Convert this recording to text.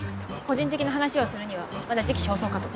個人的な話をするにはまだ時期尚早かと。